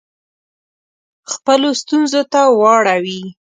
خپلو ستونزو ته واړوي.